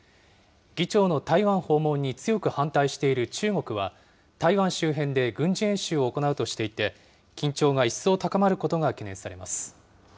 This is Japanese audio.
議長の台湾訪問に強く反対している中国は、台湾周辺で軍事演習を行うとしていて、緊張が一層高まることが懸念されます。